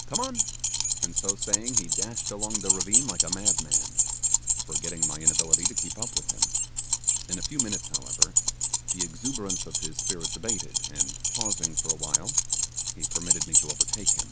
Come on;' and so saying, he dashed along the ravine like a madman, forgetting my inability to keep up with him. In a few minutes, however, the exuberance of his spirits abated, and, pausing for a while, he permitte